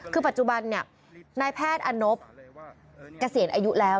คือปัจจุบันนายแพทย์อนบเกษียณอายุแล้ว